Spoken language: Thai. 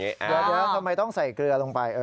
ทำไมต้องใส่เกลือลงไป